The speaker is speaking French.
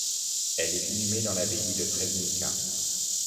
Elle est inhumée dans l'abbaye de Trzebnica.